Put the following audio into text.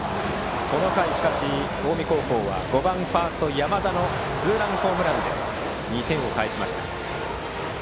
この回、近江高校は５番ファースト、山田のツーランホームランで２点を返しました。